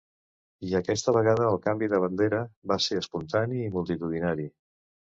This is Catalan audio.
I aquesta vegada el canvi de bandera va ser espontani i multitudinari.